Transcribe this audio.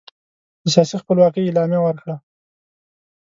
د سیاسي خپلواکۍ اعلامیه ورکړه.